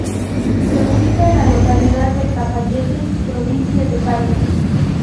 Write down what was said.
Se ubica en la localidad de Cafayate, provincia de Salta.